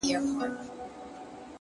د مسجد په منارو که چي هېرېږئ _